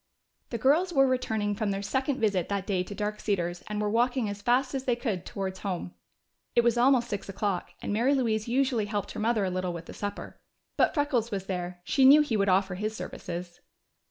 The girls were returning from their second visit that day to Dark Cedars and were walking as fast as they could towards home. It was almost six o'clock, and Mary Louise usually helped her mother a little with the supper. But Freckles was there; she knew he would offer his services.